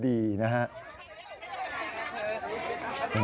ดีนะครับ